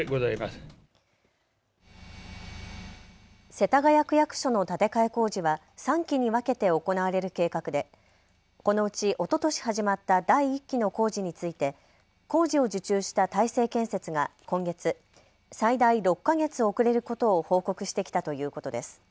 世田谷区役所の建て替え工事は３期に分けて行われる計画でこのうち、おととし始まった第１期の工事について工事を受注した大成建設が今月、最大６か月遅れることを報告してきたということです。